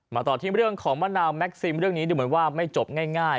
ต่อที่เรื่องของมะนาวแม็กซิมเรื่องนี้ดูเหมือนว่าไม่จบง่าย